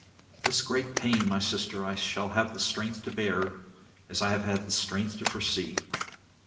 This great pain, my sister, I shall have strength to bear, as I have had strength to foresee.